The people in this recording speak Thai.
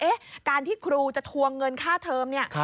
การที่ครูจะทวงเงินค่าเทอมเนี่ย